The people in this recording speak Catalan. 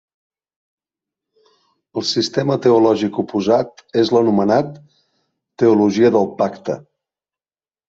El sistema teològic oposat és l'anomenat Teologia del pacte.